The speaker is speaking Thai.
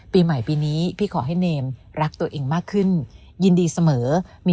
ปีใหม่ปีนี้พี่ขอให้เนมรักตัวเองมากขึ้นยินดีเสมอมี